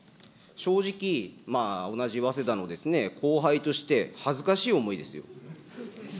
正直、同じ早稲田の後輩として恥ずかしい思いですよ。